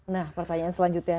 nah pertanyaan selanjutnya